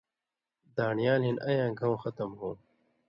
دان٘ڑیالہ ہِن اَین٘یاں گھؤں ختم ہوں